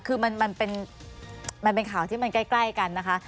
คือมันเป็นข่าวที่มันใกล้กันนะคะ